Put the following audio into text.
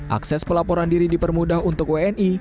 akses pelaporan diri dipermudah untuk wni